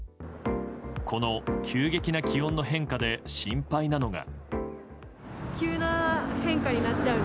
この急激な気温の変化で心配なのが。